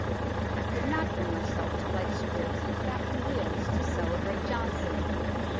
I could not bring myself to light squibs and Catherine wheels to celebrate Johnson.